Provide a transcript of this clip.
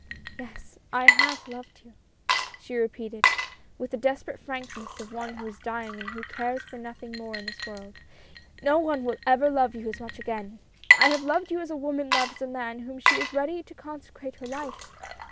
"Yes, I have loved you," she repeated, with the desperate frankness of one who is dying and who cares for nothing more in this world. "No one will ever love you as much again. I have loved you as a woman loves the man to whom she is ready to consecrate her life.